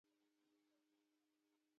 مینه او مننه کوم آرین له تاسو محترمو څخه.